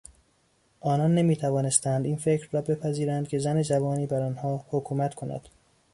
آنان نمیتوانستند این فکر را بپذیرند که زن جوانی بر آنها حکومت کند.